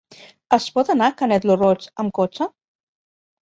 Es pot anar a Canet lo Roig amb cotxe?